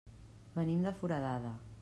Venim de Foradada.